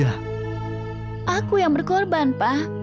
aku yang berkorban pak